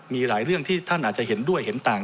มีหลายเรื่องที่ท่านอาจจะเห็นด้วยเห็นต่าง